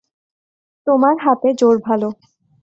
তোমার হাতে জোর ভালো।